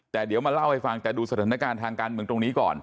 แต่เดี๋ยวมาเล่าให้ฟังแต่ดูสถานการณ์ทางการเมืองตรงนี้ก่อน